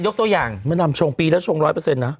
ตัวอย่างมะดำชงปีแล้วชงร้อยเปอร์เซ็นนะ